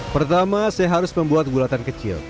pertama saya harus membuat bulatan kecil